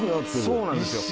そうなんですよ。